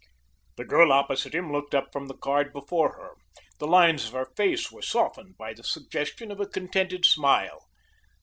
The girl opposite him looked up from the card before her. The lines of her face were softened by the suggestion of a contented smile.